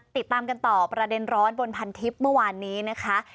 ติดตามกันต่อประเด็นร้อนบนพันทิพย์เมื่อวานนี้นะคะ